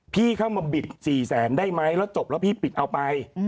พี่เข้ามาบิด๔แสนได้ไหมแล้วจบแล้วพี่ปิดเอาไป